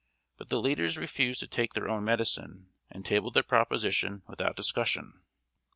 But the leaders refused to take their own medicine, and tabled the proposition without discussion.